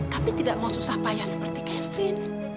tapi tidak mau susah payah seperti kevin